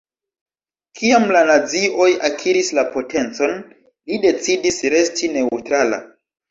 Kiam la nazioj akiris la potencon, li decidis resti neŭtrala.